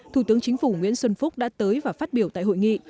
thủ tướng chính phủ nguyễn xuân phúc đã tới và phát biểu tại hội nghị